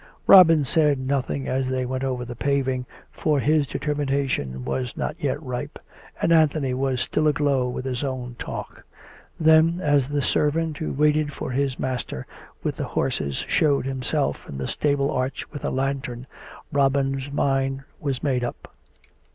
Robin said nothing as they went over the paving, for his determination was not yet ripe, and Anthony was still aglow with his own talk. Then, as the servant who waited for his master, with the horses, showed himself in the stable arch with a lantern, Robin's mind was made up.